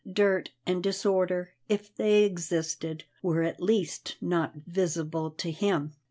Dirt and disorder, if they existed, were at least not visible to him.